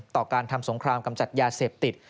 ต่อการทำสงครามกำจัดยาเสพติด